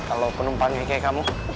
kalau penumpangnya kayak kamu